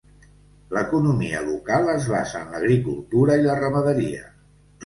L'economia local es basa en l'agricultura i la ramaderia.